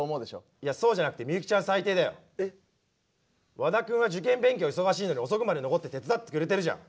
和田君は受験勉強忙しいのに遅くまで残って手伝ってくれてるじゃん。